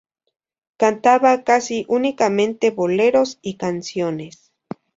Cantaba casi únicamente boleros y canciones.